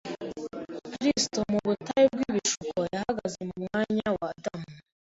Kristo, mu butayu bw’ibishuko, yahagaze mu mwanya wa Adamu